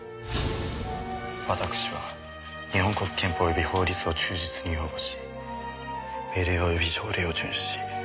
私は日本国憲法及び法律を忠実に擁護し命令及び条例を遵守し。